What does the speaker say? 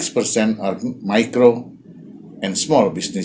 pemain mikro dan kebanyakan bisnis